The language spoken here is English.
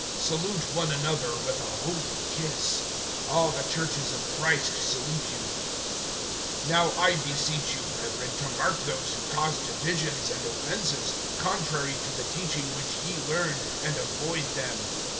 (16)Salute one another with a holy kiss. All the churches of Christ salute you. (17)Now I beseech you, brethren, to mark those who cause divisions and offenses, contrary to the teaching which ye learned, and avoid them.